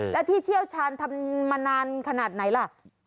แล้วที่เชี่ยวชาญทำมานานขนาดไหนล่ะ